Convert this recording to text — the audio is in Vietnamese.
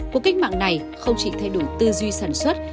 cuộc cách mạng này không chỉ thay đổi tư duy sản xuất